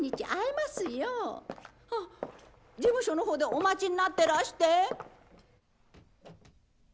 あっ事務所の方でお待ちになってらして。